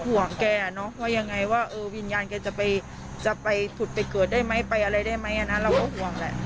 ว่าวิญญาณแกจะไปถุดไปเกิดได้ไหมไปอะไรได้ไหมเราก็ห่วงแหละ